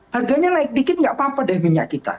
harganya naik sedikit tidak apa apa deh minyak kita